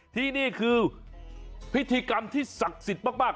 ที่นี่คือพิธีกรรมที่ศักดิ์สิทธิ์มาก